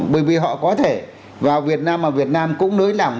bởi vì họ có thể vào việt nam mà việt nam cũng nới lẳng